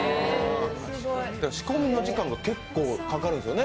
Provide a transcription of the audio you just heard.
仕込みの時間が結構かかるんですよね。